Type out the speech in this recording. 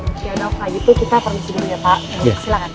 ya dong kayak gitu kita permisi dulu ya pak